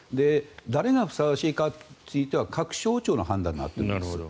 誰がふさわしいかについては各省庁の判断になってるんです。